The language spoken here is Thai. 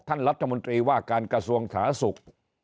ท่านรัฐมนตรีว่าการกระทรวงสาธารณสุข